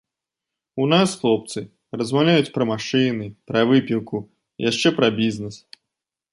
У нас хлопцы размаўляюць пра машыны, пра выпіўку, яшчэ пра бізнес.